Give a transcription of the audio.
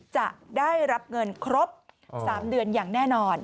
จะได้รับเงินครบ๓เดือนอย่างแน่นอน